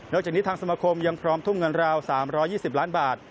จากนี้ทางสมคมยังพร้อมทุ่มเงินราว๓๒๐ล้านบาท